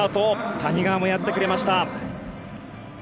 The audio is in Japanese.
谷川もやってくれました。